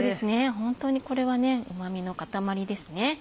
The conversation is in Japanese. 本当にこれはねうま味の塊ですね。